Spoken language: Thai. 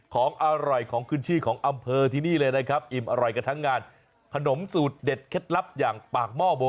ของอร่อยของขึ้นชื่อของอำเภอที่นี่เลยนะครับ